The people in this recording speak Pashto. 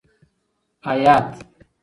حیات